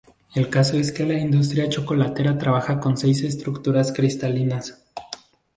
El caso es que la industria chocolatera trabaja con seis estructuras cristalinas.